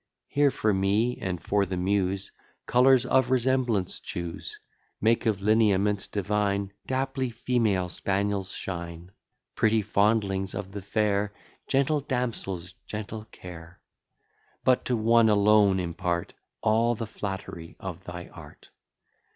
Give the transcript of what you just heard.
Here for me, and for the Muse, Colours of resemblance choose, Make of lineaments divine, Daply female spaniels shine, Pretty fondlings of the fair, Gentle damsels' gentle care; But to one alone impart All the flattery of thy art.